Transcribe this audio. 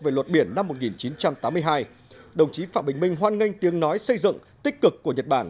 về luật biển năm một nghìn chín trăm tám mươi hai đồng chí phạm bình minh hoan nghênh tiếng nói xây dựng tích cực của nhật bản